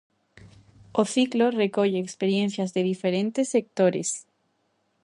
O ciclo recolle experiencias de diferentes sectores: